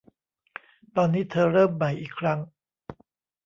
ตอนนี้เธอเริ่มใหม่อีกครั้ง